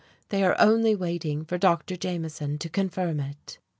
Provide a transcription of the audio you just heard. They are only waiting for Dr. Jameson to confirm it."